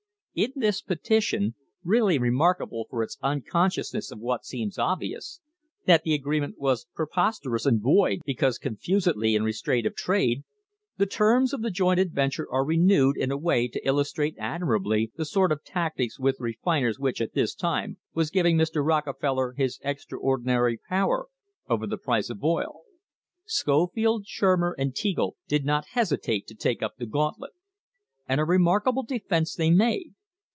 In this petition, really remarkable for its unconsciousness of what seems obvious that the agree ment was preposterous and void because confessedly in re straint of trade the terms of the joint adventure are renewed in a way to illustrate admirably the sort of tactics with refiners which, at this time, was giving Mr. Rockefeller his extraordinary power over the price of oil.* Scofield, Shurmer and Teagle did not hesitate to take up the gauntlet, and a remarkable defence they made.